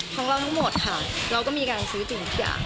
ของเราทั้งหมดค่ะเราก็มีการซื้อสิ่งทุกอย่าง